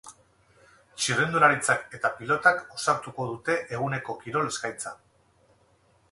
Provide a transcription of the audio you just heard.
Txirrindularitzak eta pilotak osatuko dute eguneko kirol eskaintza.